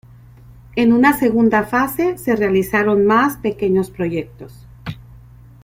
En una segunda fase, se realizaron más pequeños proyectos.